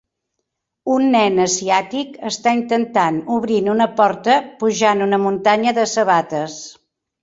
Un nen asiàtic està intentant obrint una porta pujant una muntanya de sabates.